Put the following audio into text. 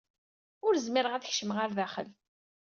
Ur zmireɣ ad kecmeɣ ɣer daxel.